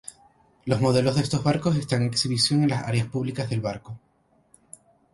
Los modelos de estos barcos están en exhibición en las áreas públicas del barco.